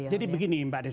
jadi begini mbak desi